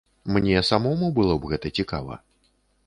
Мне самому было б гэта цікава.